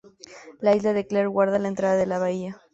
La isla de Clare guarda la entrada de la bahía.